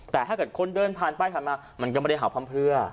แต่ถ้าเกิดคนเดินผ่านไปผ่านมามันก็ไม่ได้เห่าพร่ำเพื่อ